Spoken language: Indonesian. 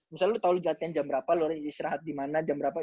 misalnya lu tau jam berapa lu diserahat dimana jam berapa